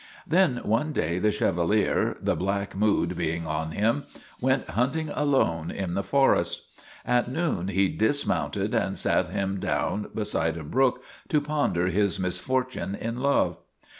Then one day the Chevalier, the black mood being on him, went hunting alone in the forest. At noon he dismounted and sat him down beside a brook to ponder his misfortune in love.